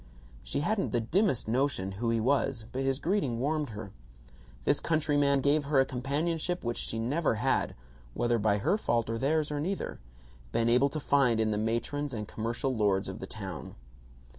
She hadn't the dimmest notion who he was, but his greeting warmed her. This countryman gave her a companionship which she had never (whether by her fault or theirs or neither) been able to find in the matrons and commercial lords of the town.